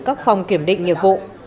các phòng kiểm định nghiệp vụ